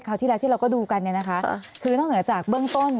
ที่แล้วที่เราก็ดูกันเนี่ยนะคะคือนอกเหนือจากเบื้องต้น